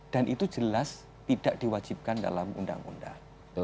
dan itu jelas tidak diwajibkan dalam undang undang